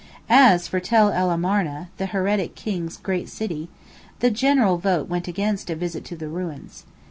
As for Tell el Marna, the Heretic King's great city, the general vote went against a visit to the ruins.